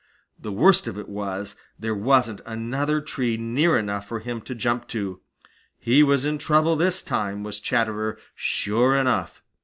The worst of it was there wasn't another tree near enough for him to jump to. He was in trouble this time, was Chatterer, sure enough!